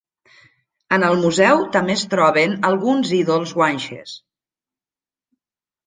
En el museu també es troben alguns ídols guanxes.